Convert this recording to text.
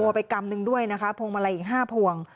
ไปกำนึงด้วยนะคะพวงมาลัยอีก๕พวง